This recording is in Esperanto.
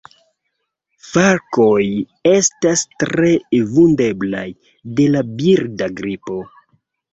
Falkoj estas tre vundeblaj de la birda gripo.